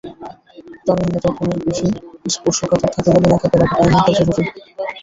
তারুণ্যে ত্বক অনেক বেশি স্পর্শকাতর থাকে বলে মেকআপের আগে প্রাইমিংটা জরুরি।